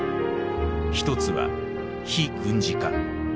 １つは非軍事化。